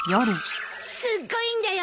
すっごいんだよ